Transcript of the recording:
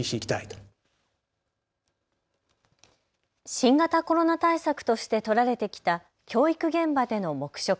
新型コロナ対策として取られてきた教育現場での黙食。